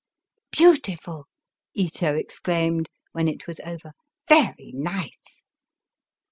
" Beautiful !" Ito exclaimed, when it was over. Very nice."